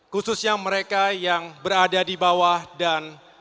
khususnya mereka yang berada di bawah dan kurang di bawah